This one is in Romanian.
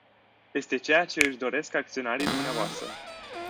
Este ceea ce își doresc acționarii dvs.